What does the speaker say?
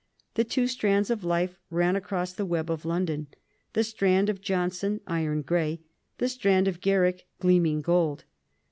The two strands of life ran across the web of London, the strand of Johnson iron gray, the strand of Garrick gleaming gold.